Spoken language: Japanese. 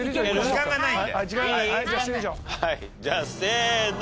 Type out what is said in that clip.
じゃあせーの！